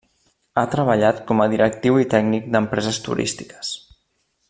Ha treballat com a directiu i tècnic d'empreses turístiques.